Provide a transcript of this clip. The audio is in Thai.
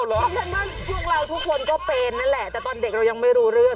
เพราะฉะนั้นพวกเราทุกคนก็เป็นนั่นแหละแต่ตอนเด็กเรายังไม่รู้เรื่อง